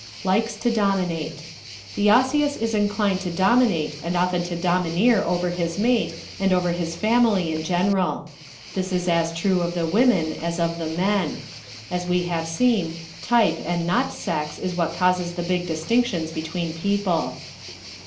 Likes to Dominate ¶ The Osseous is inclined to dominate and often to domineer over his mate and over his family in general. This is as true of the women as of the men. As we have seen, type and not sex is what causes the big distinctions between people.